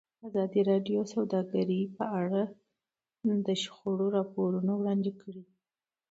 ازادي راډیو د سوداګري په اړه د شخړو راپورونه وړاندې کړي.